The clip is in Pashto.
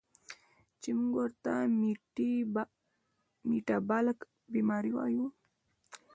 چې مونږ ورته ميټابالک بیمارۍ وايو